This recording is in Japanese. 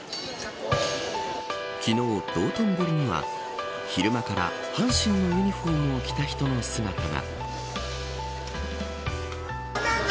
昨日、道頓堀には昼間から、阪神のユニホームを着た人の姿が。